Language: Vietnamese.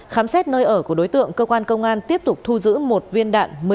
khám xét nơi ở của đối tượng cơ quan công an tiếp tục thu giữ một viên đạn